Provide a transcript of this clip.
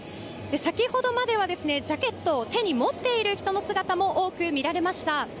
先ほどまではジャケットを手に持っている人の姿も多く見られました。